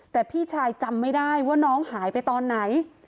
แต่พี่ชายจำไม่ได้ว่าน้องหายไปตอนไหน